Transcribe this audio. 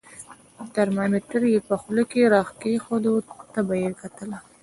ترمامیتر یې په خوله کې را کېښود، تبه یې کتل.